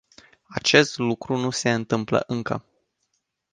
Acest lucru nu se întâmplă încă.